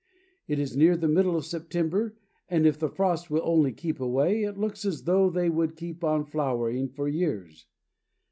It is near the middle of September, and if the frost will only keep away, it looks as though they would keep on flowering for years.